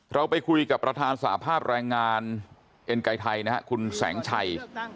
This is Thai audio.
เราไปคุยกับประธานสาภาพแรงงานเอ็นไกรไทยนะครับคุณแสงชัย